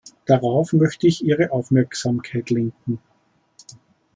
Darauf möchte ich Ihre Aufmerksamkeit lenken.